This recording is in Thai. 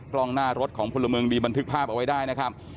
กล้องหน้ารถของพลเมืองดีบันทึกภาพเอาไว้ได้นะครับ